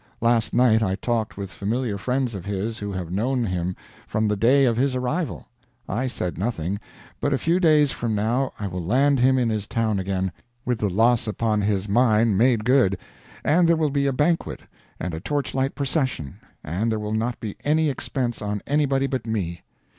Last night I talked with familiar friends of his who have known him from the day of his arrival. I said nothing, but a few days from now I will land him in this town again, with the loss upon his mine made good; and there will be a banquet, and a torch light procession, and there will not be any expense on anybody but me.